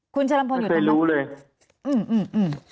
คุณชะลำพลอยู่ไม่เคยรู้เลยอืมอืมอืม